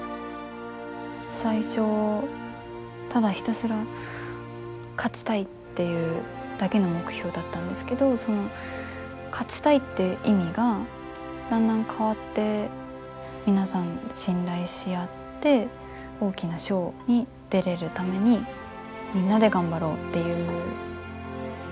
最初ただひたすら勝ちたいっていうだけの目標だったんですけどその勝ちたいっていう意味がだんだん変わって皆さん信頼し合って大きな賞に出れるためにみんなで頑張ろうっていう。